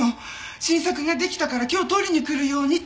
新作が出来たから今日取りに来るようにって。